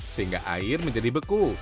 sehingga air menjadi beku